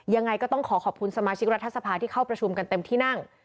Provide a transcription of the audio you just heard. ยังไงก็ต้องขอขอบคุณสมาชิกรัฐสภาที่เข้าประชุมกันเต็มที่นั่ง